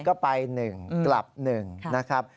ก็ไปหนึ่งกลับหนึ่งนะครับ